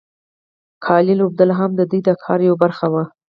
قالین اوبدل هم د دوی د کار یوه برخه وه.